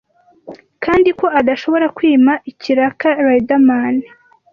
kandi ko adashobora kwima ikiraka Riderman